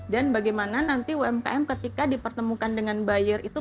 dan bagaimana nanti umkm ketika dipertemukan dengan buyer itu